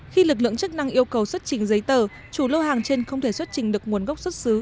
khi lực lượng chức năng yêu cầu xuất trình giấy tờ chủ lô hàng trên không thể xuất trình được nguồn gốc xuất xứ